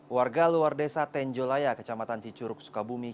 warga luar desa tenjolaya kecamatan cicuruk sukabumi